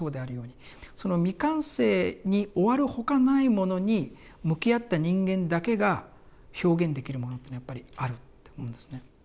その未完成に終わるほかないものに向き合った人間だけが表現できるものっていうのはやっぱりあるって思うんですね。